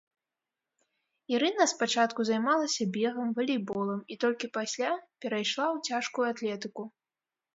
Ірына спачатку займалася бегам, валейболам і толькі пасля перайшла ў цяжкую атлетыку.